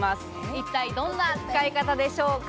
一体どんな使い方でしょうか？